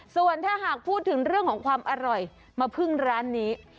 ส่วนถ้าหากพูดถึงเรื่องของความอร่อยมาพึ่งร้านนี้